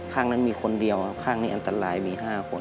ข้างนั้นมีคนเดียวข้างนี้อันตรายมี๕คน